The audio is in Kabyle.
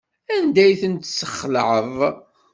Anda ay ten-tesxelɛeḍ?